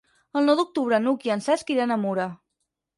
El nou d'octubre n'Hug i en Cesc iran a Mura.